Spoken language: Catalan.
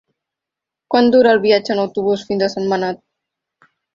Quant dura el viatge en autobús fins a Sentmenat?